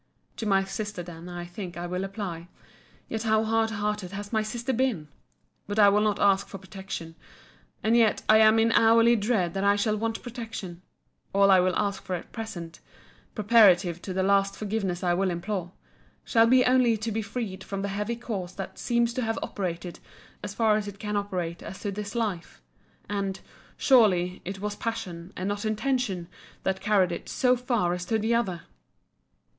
To my SISTER, then, I think, I will apply—Yet how hard hearted has my sister been!—But I will not ask for protection; and yet I am in hourly dread that I shall want protection.—All I will ask for at present (preparative to the last forgiveness I will implore) shall be only to be freed from the heavy curse that seems to have operated as far is it can operate as to this life—and, surely, it was passion, and not intention, that carried it so far as to the other!